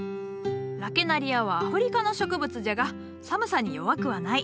ラケナリアはアフリカの植物じゃが寒さに弱くはない。